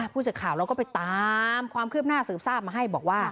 พูดจากข่าวทางแล้วก็ไปตามความเคลือบหน้าออกมาให้